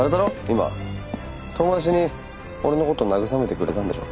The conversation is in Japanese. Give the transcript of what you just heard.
今遠回しに俺のこと慰めてくれたんでしょ？